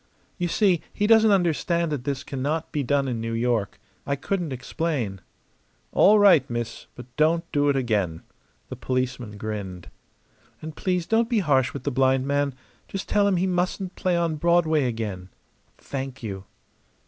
"You see, he doesn't understand that this cannot be done in New York. I couldn't explain." "All right, miss; but don't do it again." The policeman grinned. "And please don't be harsh with the blind man. Just tell him he mustn't play on Broadway again. Thank you!"